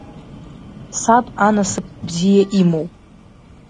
Саб анасыԥ бзиа имоуп.